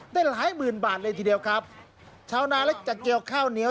ได้หลายหมื่นบาทเลยทีเดียวครับชาวนาเล็กจะเกี่ยวข้าวเหนียว